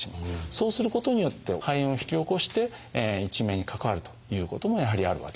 そうすることによって肺炎を引き起こして一命に関わるということもやはりあるわけです。